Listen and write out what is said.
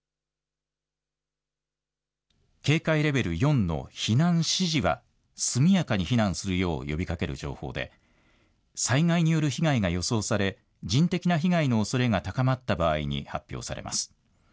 警戒レベル４の避難指示は速やかに避難するよう呼びかける情報で災害による被害が予想され人的な被害のおそれが高まった場合に発表されます。